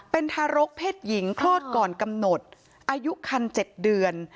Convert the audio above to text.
เป็นทารกเพศหญิงคลอดก่อนกำหนดอายุคัน๗เดือน